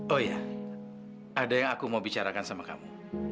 oh ya ada yang aku mau bicarakan sama kamu